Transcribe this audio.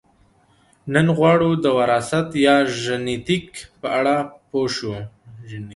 نن غواړو د وراثت یا ژنیتیک په اړه پوه شو